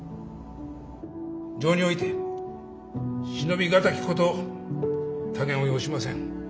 情において、忍び難きこと多言を要しません。